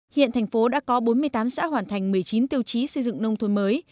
hiện thành phố đã có bốn mươi tám xã hoàn thành một mươi chín tiêu chí xây dựng nông thôn mới